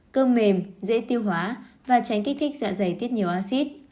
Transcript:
cơm mềm dễ tiêu hóa và tránh kích thích dạ dày tiết nhiều acid